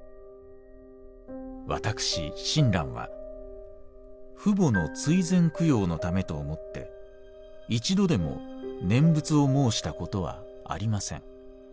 「私親鸞は父母の追善供養のためと思って一度でも念仏を申したことはありません。